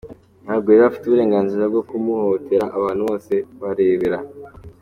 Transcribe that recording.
Ntabwo rero afite uburenganzira bwo kumuhohotera abantu bose barebera.